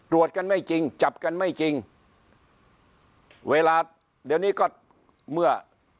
กันไม่จริงจับกันไม่จริงเวลาเดี๋ยวนี้ก็เมื่อ